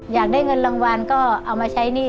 อยากได้เงินรางวัลก็เอามาใช้หนี้